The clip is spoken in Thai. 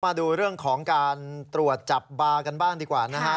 มาดูเรื่องของการตรวจจับบาร์กันบ้างดีกว่านะฮะ